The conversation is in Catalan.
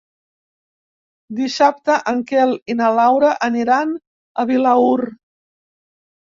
Dissabte en Quel i na Laura aniran a Vilaür.